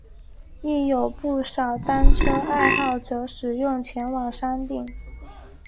亦有不少单车爱好者使用前往山顶。